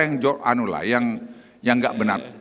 yang anu lah yang enggak benar